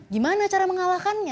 gimana cara mengalahkannya